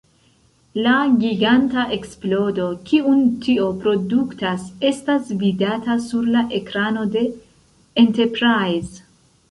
La giganta eksplodo, kiun tio produktas, estas vidata sur la ekrano de Enterprise.